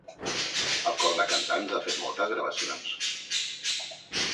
El cor de cantants ha fet moltes gravacions.